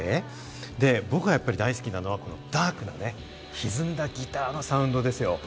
で、僕がやっぱり大好きなのはダークなね、ひずんだギターのサウンドですよ。